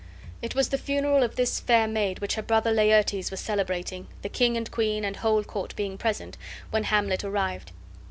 It was the funeral of this fair maid which her brother Laertes was celebrating, the king and queen and whole court being present, when Hamlet arrived.